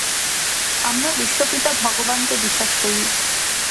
আমরা বিশ্বপিতা ভগবানকে বিশ্বাস করি।